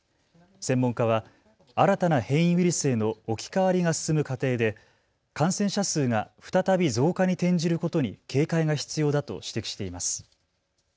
専門家は新たな変異ウイルスへの置き換わりが進む過程で感染者数が再び増加に転じることに警戒が必要だと指摘しています。